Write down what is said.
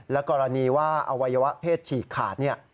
และกรณีว่าอวัยวะเพศฉีกขาดเนี่ย